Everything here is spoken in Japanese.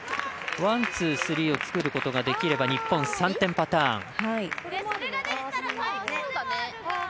ワン、ツー、スリーを作ることができれば日本、３点パターン。